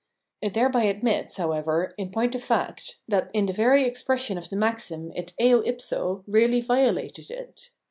It thereby admits, however, in point of fact, that in the very expression of the maxim it eo ifso really violated it.